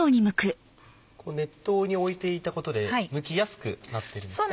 熱湯においていたことでむきやすくなってるんですね。